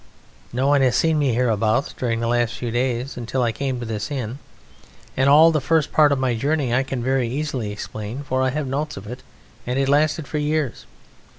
No one has seen me hereabouts during the last few days until I came to this inn. And all the first part of my journey I can very easily explain, for I have notes of it, and it lasted for years.